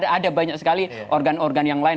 ada banyak sekali organ organ yang lain